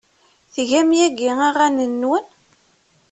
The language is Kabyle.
Tgam yagi aɣanen-nwen?